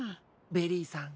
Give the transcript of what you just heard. ベリーさん